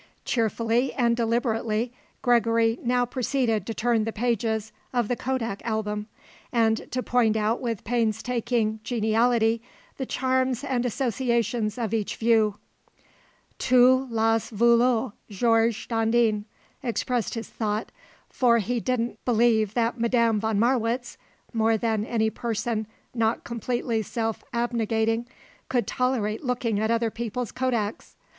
Cheerfully and deliberately Gregory now proceeded to turn the pages of the kodak album, and to point out with painstaking geniality the charms and associations of each view, "Tu l'as voulu, Georges Dandin," expressed his thought, for he didn't believe that Madame von Marwitz, more than any person not completely self abnegating, could tolerate looking at other people's kodaks.